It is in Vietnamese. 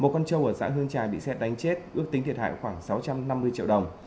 một con trâu ở xã hương trà bị xét đánh chết ước tính thiệt hại khoảng sáu trăm năm mươi triệu đồng